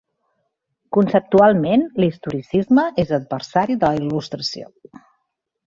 Conceptualment, l'historicisme és adversari de la Il·lustració.